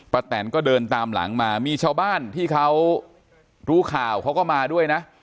แตนก็เดินตามหลังมามีชาวบ้านที่เขารู้ข่าวเขาก็มาด้วยนะ